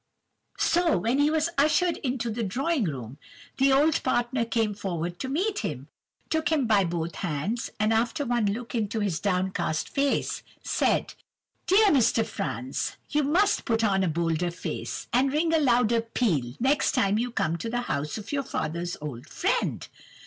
"So, when he was ushered into the drawing room, the old partner came forward to meet him, took him by both hands, and, after one look into his downcast face, said:— "'My dear Mr. Franz, you must put on a bolder face, and ring a louder peal, next time you come to the house of your father's old friend!